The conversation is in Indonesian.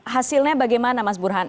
hasilnya bagaimana mas burhan